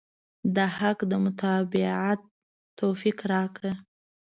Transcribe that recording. د حق د متابعت توفيق راکړه.